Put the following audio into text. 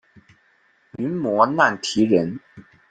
昙摩难提人。